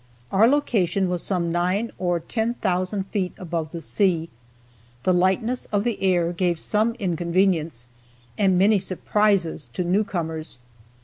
Our location was some nine or ten thousand feet above the sea. The lightness of the air gave some inconvenience and many surprises to new comers.